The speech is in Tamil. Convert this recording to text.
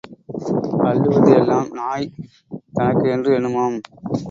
அள்ளுவது எல்லாம் நாய் தனக்கு என்று எண்ணுமாம்.